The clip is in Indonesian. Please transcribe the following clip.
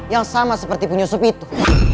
yang sama seperti penyusup itu